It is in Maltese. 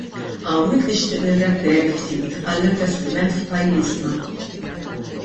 Hawnhekk nixtieq nirreferi ftit għall-investiment f'pajjiżna.